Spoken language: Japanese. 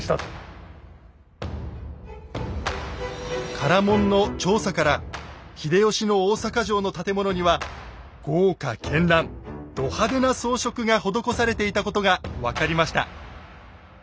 唐門の調査から秀吉の大坂城の建物には豪華絢爛ド派手な装飾が施されていたことが分かりました。